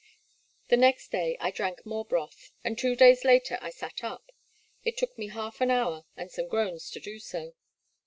'' The next day I drank more broth, and two days later I sat up, — it took me half an hour and some groans to do so.